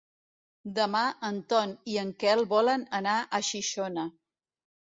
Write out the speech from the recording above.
Demà en Ton i en Quel volen anar a Xixona.